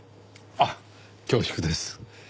あっ恐縮です。